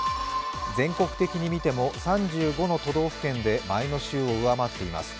全国的に見ても３５の都道府県で前の週を上回っています。